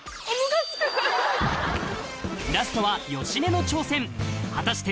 ラストは芳根の挑戦果たして